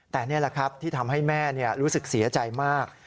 แต่นี่แหละครับที่ทำให้แม่รู้สึกเสียใจมาก